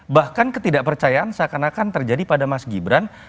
bahkan ketidakpercayaan seakan akan terjadi pada mas gibran